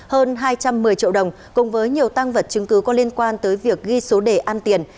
hơn hai trăm một mươi triệu đồng cùng với nhiều tăng vật chứng cứ có liên quan tới việc ghi số đề ăn tiền